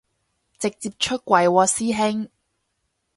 直接出櫃喎師兄